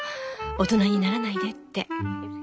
大人にならないでって。